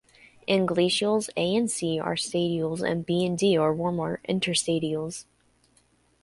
In glacials a and c are stadials and b and d are warmer interstadials.